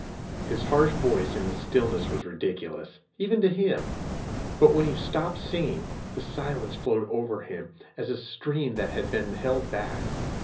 His harsh voice in the stillness was ridiculous, even to him, but when he stopped singing, the silence flowed over him as a stream that had been held back.